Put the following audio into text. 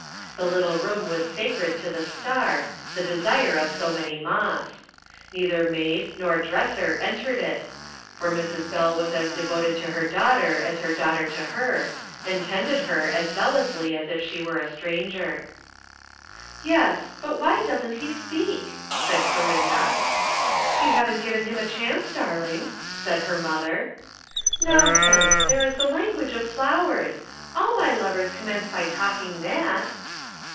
The little room was sacred to the "star," the desire of so many moths. Neither maid nor dresser entered it, for Mrs. Bell was as devoted to her daughter as her daughter to her, and tended her as zealously as if she were a stranger. "Yes, but why doesn't he speak?" said Clorinda. "You haven't given him a chance, darling," said her mother. "Nonsense there is the language of flowers. All my lovers commence by talking that."